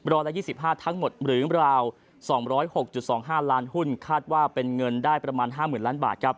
ละ๒๕ทั้งหมดหรือราว๒๐๖๒๕ล้านหุ้นคาดว่าเป็นเงินได้ประมาณ๕๐๐๐ล้านบาท